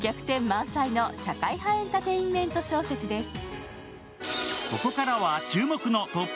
満載の社会派エンターテインメント小説です。